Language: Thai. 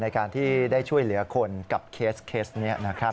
ในการที่ได้ช่วยเหลือคนกับเคสนี้นะครับ